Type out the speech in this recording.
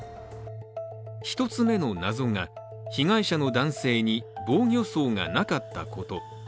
１つ目の謎が、被害者の男性に防御創がなかったこと。